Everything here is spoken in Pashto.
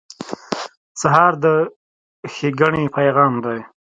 سهار د ښېګڼې پیغام دی.